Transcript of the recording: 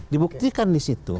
dibuktikan di situ